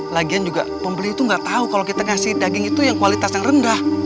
lagian juga pembeli itu nggak tahu kalau kita kasih daging itu yang kualitas yang rendah